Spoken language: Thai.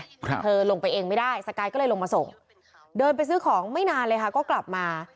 ครับเธอลงไปเองไม่ได้สกายก็เลยลงมาส่งเดินไปซื้อของไม่นานเลยค่ะก็กลับมา